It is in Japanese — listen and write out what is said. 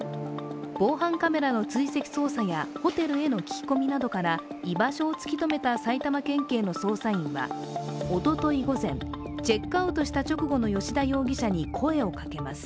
防犯カメラの追跡捜査やホテルへの聞き込みなどから居場所を突き止めた埼玉県警の捜査員はおととい午前、チェックアウトした直後の葭田容疑者に声をかけます。